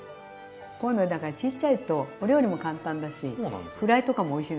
こういうのだからちっちゃいとお料理も簡単だしフライとかもおいしいのよだから。